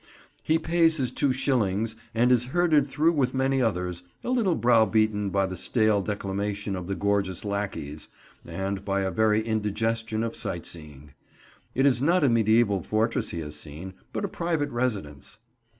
He pays his two shillings and is herded through with many others, a little browbeaten by the stale declamation of the gorgeous lackeys and by a very indigestion of sightseeing. It is not a medieval fortress he has seen, but a private residence.